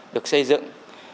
được xây dựng